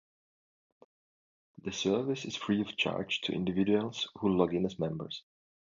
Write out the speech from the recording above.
The service is free of charge to individuals who log in as members.